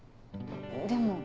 でも。